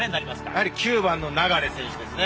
やはり９番の流選手ですね。